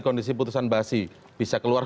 kondisi putusan basi bisa keluar